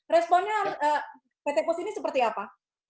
responnya pt pos ini seperti apa